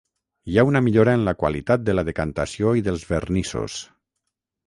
Hi ha una millora en la qualitat de la decantació i dels vernissos.